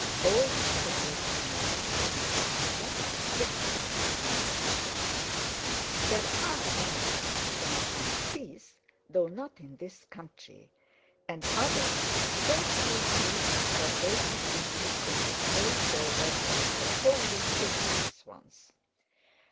Old Mother Nature nodded. "That is just what I mean," said she. "There are animals without any teeth, though not in this country, and others with so few teeth that they have been put in the same order with the wholly toothless ones.